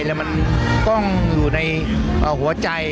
แล้วมันกล้องอยู่ในหัวใจ